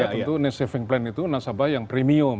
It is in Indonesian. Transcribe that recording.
tentu nesaving plan itu nasabah yang premium